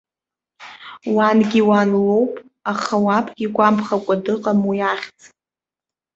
Уангьы уан лоуп, аха уабгьы игәамԥхакәа дыҟам уи ахьӡ.